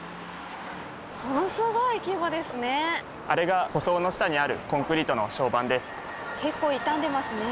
あれが舗装の下にあるコンクリートの床版です。